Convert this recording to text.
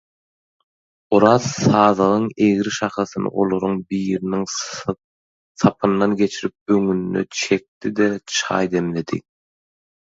Oraz sazagyň egri şahasyny olaryň biriniň sapyndan geçirip öňüne çekdi-de çaý demledi.